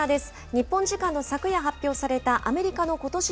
日本時間の昨夜発表されたアメリカのことし